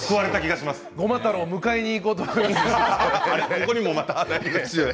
ごま太郎を迎えに行こうと思いました。